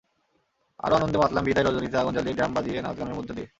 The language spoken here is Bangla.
আরও আনন্দে মাতলাম বিদায় রজনীতে আগুন জ্বালিয়ে ড্রাম বাজিয়ে নাচগানের মধ্য দিয়ে।